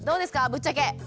ぶっちゃけ。